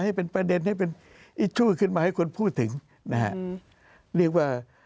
ให้เป็นประเด็นให้เป็นอิจชูขึ้นมาให้คนพูดถึงนะฮะเรียกว่า